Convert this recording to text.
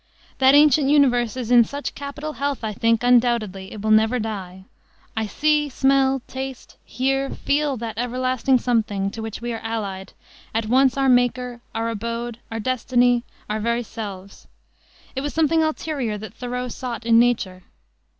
That ancient universe is in such capital health, I think, undoubtedly, it will never die. ... I see, smell, taste, hear, feel that everlasting something to which we are allied, at once our maker, our abode, our destiny, our very selves." It was something ulterior that Thoreau sought in nature.